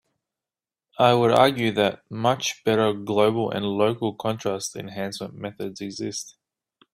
I would argue that much better global and local contrast enhancement methods exist.